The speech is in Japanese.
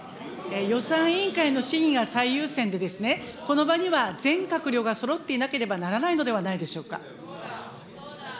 予算委員会の審議が最優先で、この場には全閣僚がそろっていなければならないのではないでしょ